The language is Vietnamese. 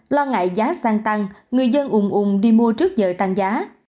lo ngại giá xăng tăng người dân ùng ùng đi mua trước giờ tăng giá